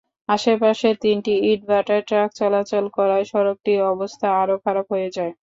আশপাশের তিনটি ইটভাটায় ট্রাক চলাচল করায় সড়কটি অবস্থা আরও খারাপ হয়ে যায়।